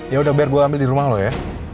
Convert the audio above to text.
yaudah biar gue ambil dirumah lo ya